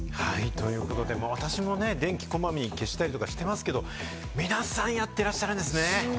ということで私もね、電気をこまめに消したりしてますけど、皆さんやってらっしゃるんですね。